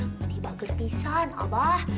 menibak gerbisan abah